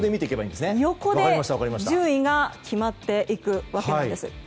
横で順位が決まっていくわけなんです。